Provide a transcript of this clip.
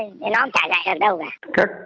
nên nó chả dạy được đâu cả